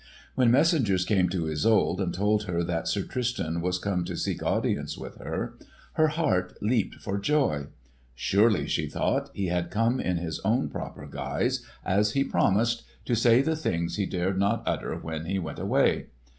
When messengers came to Isolde and told her that Sir Tristan was come to seek audience with her, her heart leaped for joy. Surely, she thought, he had come in his own proper guise, as he promised, to say the things he dared not utter when he went away.